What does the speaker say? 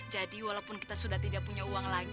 jadi walaupun kita sudah tidak punya uang lagi